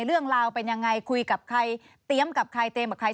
เรื่องราวเป็นยังไงคุยกับใครเตรียมกับใครเตรียมกับใคร